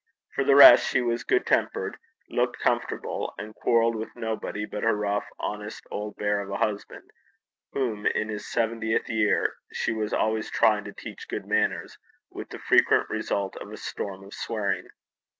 For the rest, she was good tempered, looked comfortable, and quarrelled with nobody but her rough honest old bear of a husband, whom, in his seventieth year, she was always trying to teach good manners, with the frequent result of a storm of swearing.